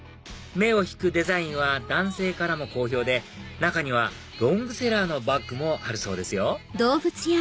目を引くデザインは男性からも好評で中にはロングセラーのバッグもあるそうですよ